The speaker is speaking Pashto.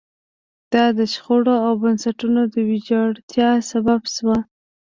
دا د شخړو او بنسټونو د ویجاړتیا سبب شوه.